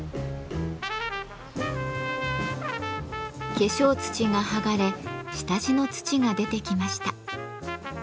化粧土が剥がれ下地の土が出てきました。